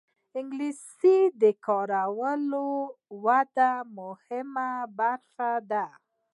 انګلیسي د کاري ودې مهمه برخه ده